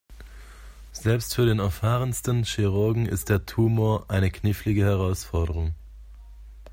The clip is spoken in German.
Selbst für den erfahrensten Chirurgen ist der Tumor eine knifflige Herausforderung.